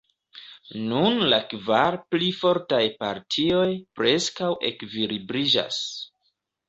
Nun la kvar pli fortaj partioj preskaŭ ekvilibriĝas.